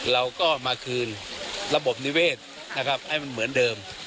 เราก็มาคืนระบบนิเวศนะครับให้มันเหมือนเดิม